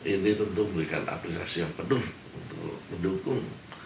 ini tentu memberikan aplikasi yang penuh untuk mendukung